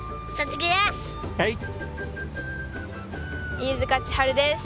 飯塚千温です。